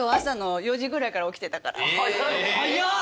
早っ。